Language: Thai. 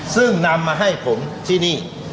ซึ่งนำมาให้ผมที่นี่